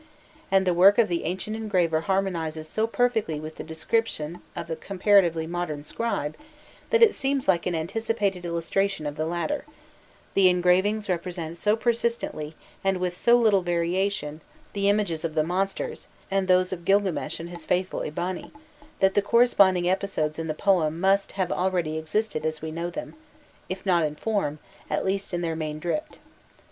and the work of the ancient engraver harmonizes so perfectly with the description of the comparatively modern scribe that it seems like an anticipated illustration of the latter; the engravings represent so persistently and with so little variation the images of the monsters, and those of Gilgames and his faithful Eabani, that the corresponding episodes in the poem must have already existed as we know them, if not in form, at least in their main drift.